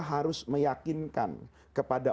harus meyakinkan kepada